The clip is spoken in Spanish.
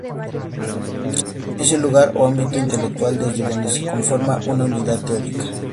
Es el lugar o ámbito intelectual desde donde se conforma una unidad teórica.